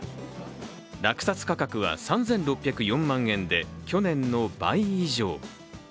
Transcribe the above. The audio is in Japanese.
落札価格は３６０４万円で、去年の倍以上。